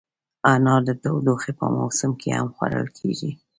انار د تودوخې په موسم کې هم خوړل کېږي.